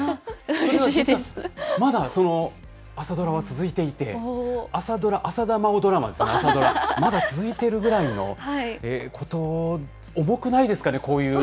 それはまだその朝ドラは続いていて、朝ドラ、浅田真央ドラマですね、まだ続いてるぐらいのこと、重くないですかね、こういう。